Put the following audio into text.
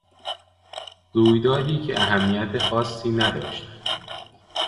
رویدادی که اهمیت خاصی نداشت.